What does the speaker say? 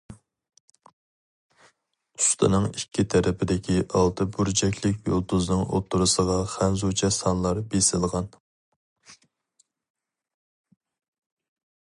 ئۈستىنىڭ ئىككى تەرىپىدىكى ئالتە بۇرجەكلىك يۇلتۇزنىڭ ئوتتۇرىسىغا خەنزۇچە سانلار بېسىلغان.